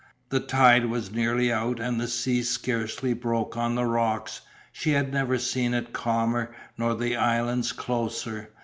The tide was nearly out and the sea scarcely broke on the rocks; she had never seen it calmer nor the islands closer.